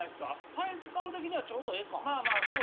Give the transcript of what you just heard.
サイズ感的にはちょうどええか。